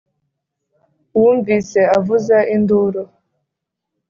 wumvise avuza induru